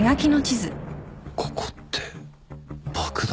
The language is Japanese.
ここって爆弾の